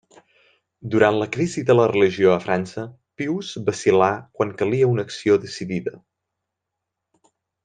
Durant la crisi de la religió a França, Pius vacil·là quan calia una acció decidida.